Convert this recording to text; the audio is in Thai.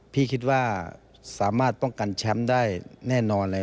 พี่คิดว่าสามารถป้องกันแชมป์ได้แน่นอนเลย